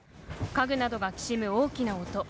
家具などがきしむ大きな音が。